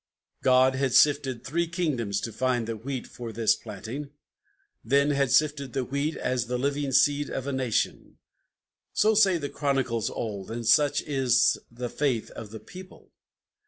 God had sifted three kingdoms to find the wheat for this planting, Then had sifted the wheat, as the living seed of a nation; So say the chronicles old, and such is the faith of the people!